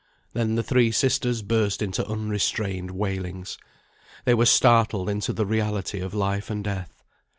Then the three sisters burst into unrestrained wailings. They were startled into the reality of life and death.